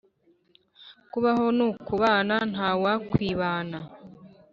Kubaho nukubana ntawakwibana